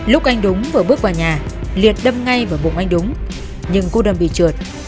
lúc anh đúng vừa bước vào nhà liệt đâm ngay vào bụng anh đúng nhưng cô đâm bị trượt